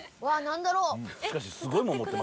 何だろう？